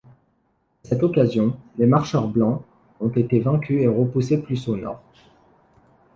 À cette occasion, les Marcheurs Blancs ont été vaincus et repoussés plus au Nord.